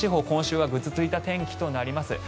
今週はぐずついた天気となります。